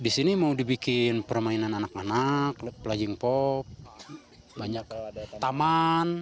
di sini mau dibikin permainan anak anak klub pelajing pop banyak taman